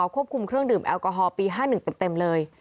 ควบคุมเครื่องดื่มแอลกอฮอลปี๕๑เต็มเลย